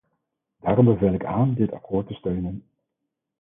Daarom beveel ik aan dit akkoord te steunen.